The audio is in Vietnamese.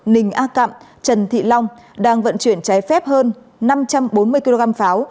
ninh a cạm trần thị long đang vận chuyển trái phép hơn năm trăm bốn mươi kg pháo